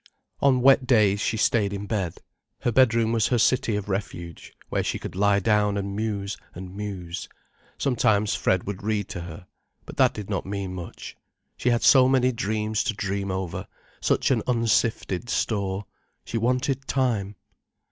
On wet days, she stayed in bed. Her bedroom was her city of refuge, where she could lie down and muse and muse. Sometimes Fred would read to her. But that did not mean much. She had so many dreams to dream over, such an unsifted store. She wanted time.